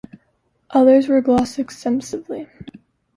Others were glossed extensively.